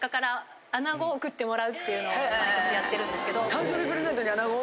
誕生日プレゼントに穴子？